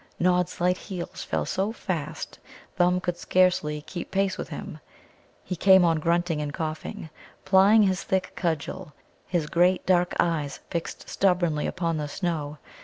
Nod's light heels fell so fast Thumb could scarcely keep pace with him. He came on grunting and coughing, plying his thick cudgel, his great dark eyes fixed stubbornly upon the snow.